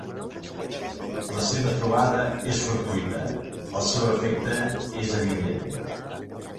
La seva trobada és fortuïta, el seu afecte és evident.